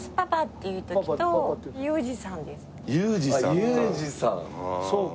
裕二さんか。